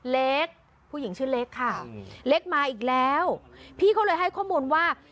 เล็กผู้หญิงชื่อเล็กค่ะเล็กมาอีกแล้วพี่เขาเลยให้ข้อมูลว่า